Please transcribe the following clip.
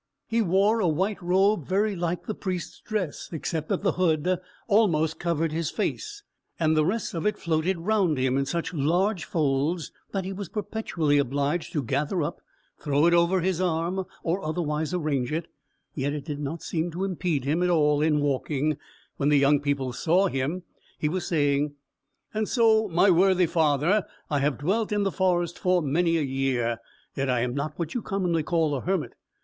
He wore a white robe, very like the Priest's dress, except that the hood almost covered his face, and the rest of it floated round him in such large folds that he was perpetually obliged to gather up, throw it over his arm, or otherwise arrange it; yet it did not seem to impede him at all in walking; when the young people saw him he was saying, "And so, my worthy father, I have dwelt in the forest for many a year, yet I am not what you commonly call a hermit.